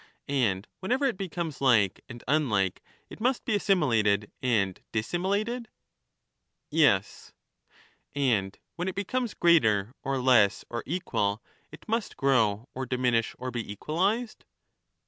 And whenever it becomes like and unlike it must be assimi lated and dissimilated ? Yes. And when it becomes greater or less or equal it must grow or diminish or be equalized